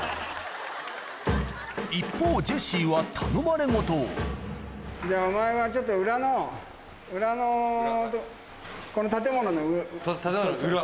一方、ジェシーは頼まれごとじゃあ、お前はちょっと裏の、裏の、建物の裏？